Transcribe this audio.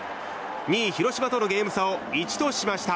２位、広島とのゲーム差を１としました。